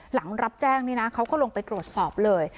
หลังรับแจ้งนี่นะเขาก็ลงไปตรวจสอบเลย